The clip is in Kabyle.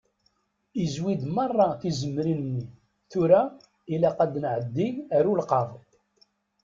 Izwi-d meṛṛa tizemrin-nni, tura ilaq ad nɛeddi ar ulqaḍ.